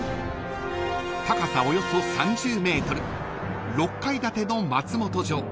［高さおよそ３０ｍ６階建ての松本城］